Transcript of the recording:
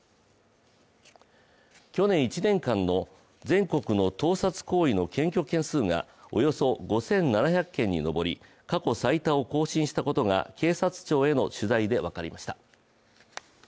去年１年間の全国の盗撮行為の検挙件数がおよそ５７００件にのぼり、過去最多を更新したことが警察庁への取材で分かりました。